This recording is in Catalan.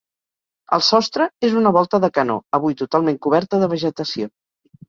El sostre és una volta de canó, avui totalment coberta de vegetació.